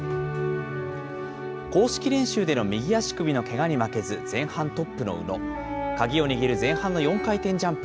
公式練習での右足首のけがに負けず、前半トップの宇野、鍵を握る前半の４回転ジャンプ。